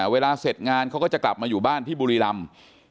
เวลาเสร็จงานเขาก็จะกลับมาอยู่บ้านที่บุรีรำ